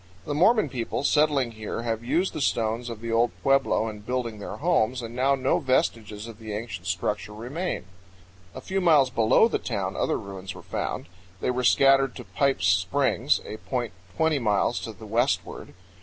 The Mormon people settling here have used the stones of the old pueblo in building their homes, and now no vestiges of the ancient structure remain. A few miles below the town other ruins were found. They were scattered to Pipe's Springs, a point twenty miles to the westward.